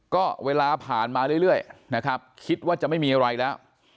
ก็เวลาผ่านมาเรื่อยนะครับคิดว่าจะไม่มีอะไรแล้ว